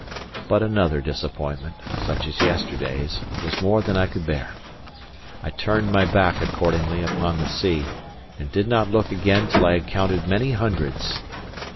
But another disappointment, such as yesterday's, was more than I could bear. I turned my back, accordingly, upon the sea, and did not look again till I had counted many hundreds.